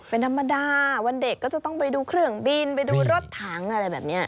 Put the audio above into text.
เป็นธรรมดาวันเด็กก็จะต้องไปดูเครื่องบินไปดูรถถังอะไรแบบนี้